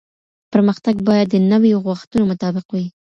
پرمختګ باید د نويو غوښتنو مطابق وي